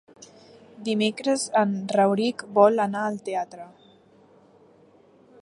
Dimecres en Rauric vol anar al teatre.